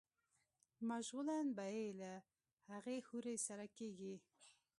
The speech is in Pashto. مشغولا به ئې له هغې حورې سره کيږي